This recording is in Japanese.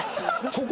ここ！